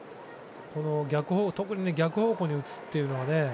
特に逆方向に打つというのは。